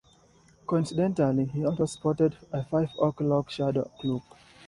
Coincidentally, he also sported a five o'clock shadow look.